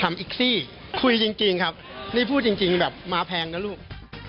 อีกซี่คุยจริงครับนี่พูดจริงแบบมาแพงนะลูก